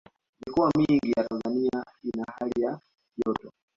mikoa mingi ya tanzania ina hali ya joto